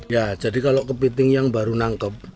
ya jadi kalau kepiting yang baru nangkep